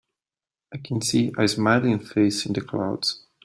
I can see a smiling face in the clouds.